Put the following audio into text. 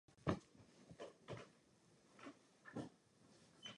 Měření zde zahrnuje konstrukci klasifikací a klasifikaci položek.